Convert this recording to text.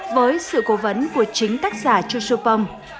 với sự cố vấn của chính tác giả chú sưu pông